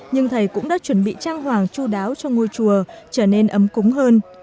nhưng thầy cũng đã chuẩn bị trang hoàng chú đáo cho ngôi chùa trở nên ấm cúng hơn